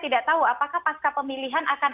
tidak tahu apakah pasca pemilihan akan